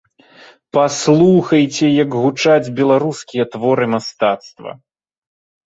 Паслухайце, як гучаць беларускія творы мастацтва!